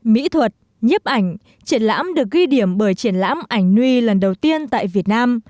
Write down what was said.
mỹ thuật nhiếp ảnh triển lãm được ghi điểm bởi triển lãm ảnh nui lần đầu tiên tại việt nam